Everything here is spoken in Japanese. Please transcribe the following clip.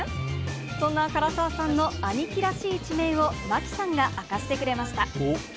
そんな唐沢さんの兄貴らしい一面を、真木さんが明かしてくれました。